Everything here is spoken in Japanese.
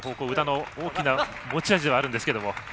宇田の大きな持ち味ではあるんですが。